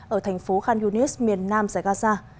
ở thành phố khan yunis miền nam giải gaza